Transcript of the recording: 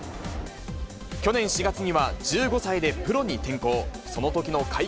去年４月には、１５歳でプロに転向。